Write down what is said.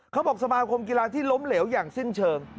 สมาคมกีฬาที่ล้มเหลวอย่างสิ้นเชิง